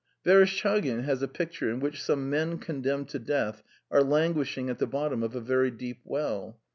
"Vereshtchagin has a picture in which some men condemned to death are languishing at the bottom of a very deep well.